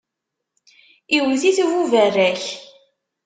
Iwwet-it buberrak.